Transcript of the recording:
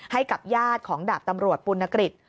ให้กับญาติของดาบตำรวจปุณกฤษ